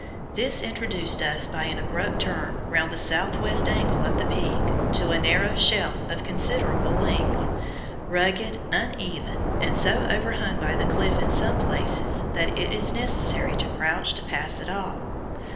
This introduced us by an abrupt turn round the south west angle of the Peak to a narrow shelf of considerable length, rugged, uneven, and so overhung by the cliff in some places that it is necessary to crouch to pass at all.